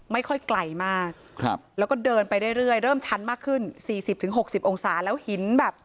ไม่ค่อยไกลมากแล้วก็เดินไปเรื่อยเริ่มชั้นมากขึ้น๔๐๖๐องศาแล้วหินแบบ